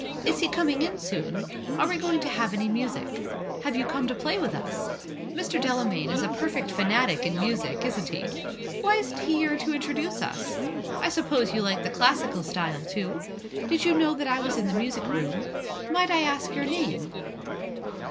Is he coming in soon? Are we going to have any music? Have you come to play with us? Mr. Delamayn is a perfect fanatic in music, isn't he? Why isn't he here to introduce us? I suppose you like the classical style, too? Did you know that I was in the music room? Might I ask your name?"